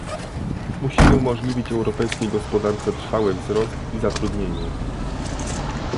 Musimy umożliwić europejskiej gospodarce trwały wzrost i zatrudnienie